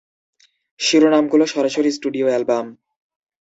শিরোনামগুলো সরাসরি studio album.